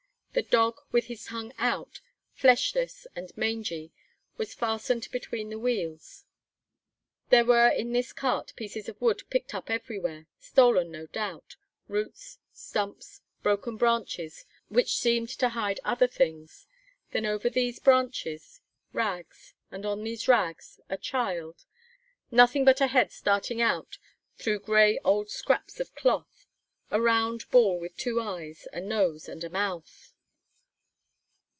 The dog, with his tongue out, fleshless and mangy, was fastened between the wheels. There were in this cart pieces of wood picked up everywhere, stolen, no doubt, roots, stumps, broken branches, which seemed to hide other things; then over these branches rags, and on these rags a child, nothing but a head starting out through gray old scraps of cloth, a round ball with two eyes, a nose, and a mouth!